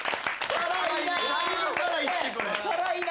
辛いな！